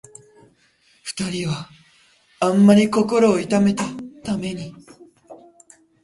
二人はあんまり心を痛めたために、